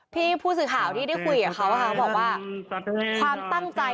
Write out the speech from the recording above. ผู้สื่อข่าวที่ได้คุยกับเขาเขาบอกว่าความตั้งใจ